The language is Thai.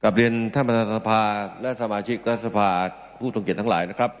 กับเรียนท่านบริษัทภาพและสมาชิกและสภาพผู้ตรงเกียรติทั้งหลายนะครับ